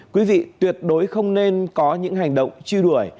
quý vị tuyệt đối không nên có những hành động truy đuổi